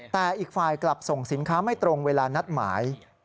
แต่อีกฝ่ายกลับส่งสินค้าไม่ตรงเวลานัดหมาย